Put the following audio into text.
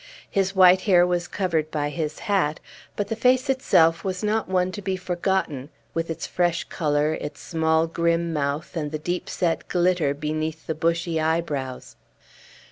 His white hair was covered by his hat, but the face itself was not one to be forgotten, with its fresh color, its small, grim mouth, and the deep set glitter beneath the bushy eyebrows.